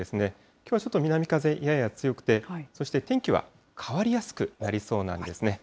きょうはちょっと南風やや強くて、そして、天気は変わりやすくなりそうなんですね。